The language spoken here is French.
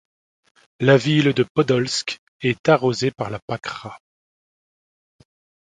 La ville de Podolsk est arrosée par la Pakhra.